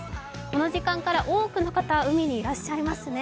この時間から多くの方、海にいらっしゃいますね。